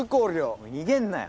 おい逃げんなよ！